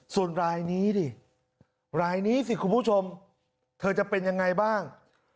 ส่วนรายนี้ดิรายนี้สิคุณผู้ชมเธอจะเป็นยังไงบ้าง